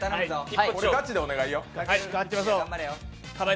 ガチでお願いよ。